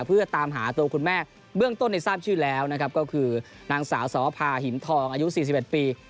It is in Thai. เพื่อตามหาตัวคุณแม่เบื้องต้นในทราบชื่อแล้วนะครับก็คือนางสาวสวภาหินทองอายุ๔๑ปี